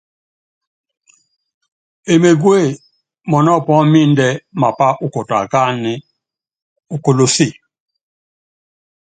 Emegúe, mɔnɔ́ pɔ́ɔmindɛ mapá ukɔtɔ akáánɛ ókolose.